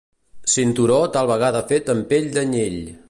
Cinturó tal vegada fet amb pell d'anyell.